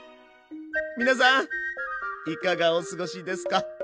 皆さんいかがお過ごしですか？